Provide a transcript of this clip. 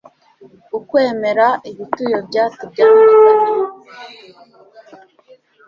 ukwemera, ibituyobya tubyamagane